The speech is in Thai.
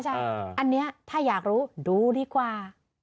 อันนี้ถ้าอยากรู้ดูดีกว่า